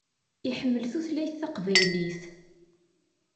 Iḥemmel tutlayt taqbaylit.